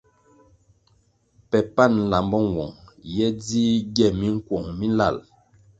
Pe pan nlambo nwong ye dzih gie minkuong mi nlal.